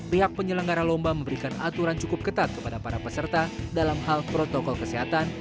pihak penyelenggara lomba memberikan aturan cukup ketat kepada para peserta dalam hal protokol kesehatan